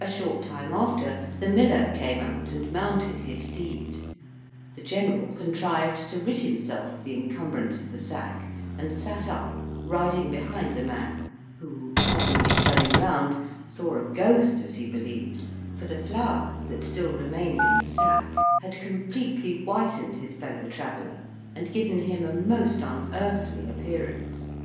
A short time after the miller came out and mounted his steed; the general contrived to rid himself of the encumbrance of the sack, and sat up, riding behind the man, who, suddenly turning round, saw a ghost, as he believed, for the flour that still remained in the sack had completely whitened his fellow traveller and given him a most unearthly appearance.